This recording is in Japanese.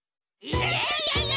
イエイ！